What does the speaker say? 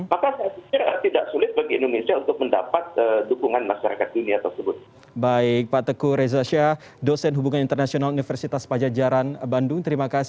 maka saya pikir tidak sulit bagi indonesia untuk mendapat dukungan masyarakat dunia tersebut